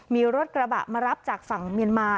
มีรถกระบะมารับจากฝั่งเมียนมา